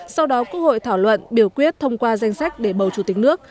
sau đó quốc hội thảo luận biểu quyết thông qua danh sách để bầu chủ tịch nước